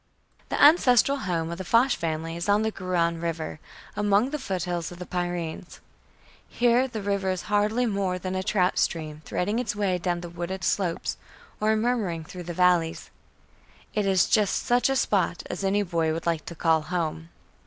The ancestral home of the Foch family is on the Garonne River, among the foothills of the Pyrenees. Here the river is hardly more than a trout stream threading its way down the wooded slopes or murmuring through the valleys. It is just such a spot as any boy would like to call "home."